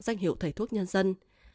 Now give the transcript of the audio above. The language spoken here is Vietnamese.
danh hiệu thầy thuốc nhân dân